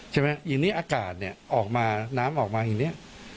อย่างนี้อากาศออกมาน้ำออกมาอย่างนี้